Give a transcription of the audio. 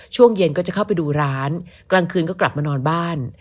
ช่วงเย็นก็จะเข้าไปดูร้านกลางคืนก็กลับมานอนบ้าน